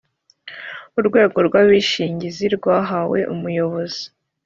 urwego rw’ abishingizi rwahawe umuyobozi